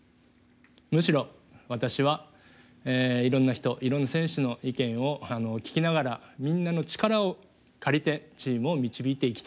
むしろ私はいろんな人いろんな選手の意見を聞きながらみんなの力を借りてチームを導いていきたい。